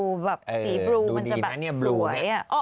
แบบสีบลูมันจะแบบสวย